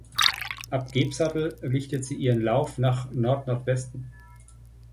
Ab Gebsattel richtet sie ihren Lauf nach Nordnordwesten.